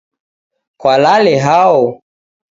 Kwalale hao